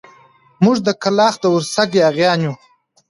موږ د کلاخ د ورسک ياغيان يو.